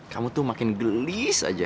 kamu tuh makin gelis aja